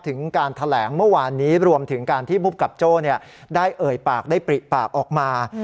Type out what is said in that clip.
ถึงการแถลงเมื่อวานนี้รวมถึงการที่ภูมิกับโจ้ได้เอ่ยปากได้ปริปากออกมา